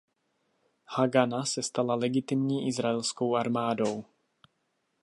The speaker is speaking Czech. Hagana se stala legitimní izraelskou armádou.